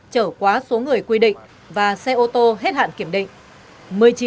trở quá số người quy định và xe ô tô hết hạn kiểm định